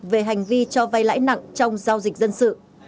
về hành vi cho vay lãi nặng trong giao dịch dân sự